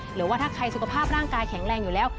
หรือว่าถ้าใครสุขภาพร่างกายแข็งแรงอยู่แล้ว